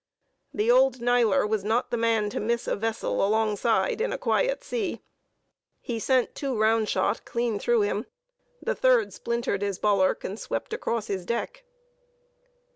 The old Niler was not the man to miss a vessel alongside in a quiet sea; he sent two round shot clean through him; the third splintered his bulwark, and swept across his deck.